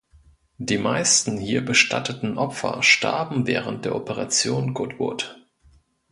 Die meisten hier bestatteten Opfer starben während der Operation Goodwood.